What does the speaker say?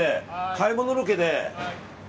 買い物ロケで。